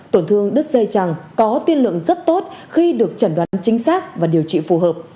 tổn thương đứt dây chẳng có tiên lượng rất tốt khi được chẩn đoán chính xác và điều trị phù hợp